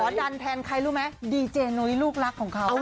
ดันแทนใครรู้ไหมดีเจนุ้ยลูกรักของเขา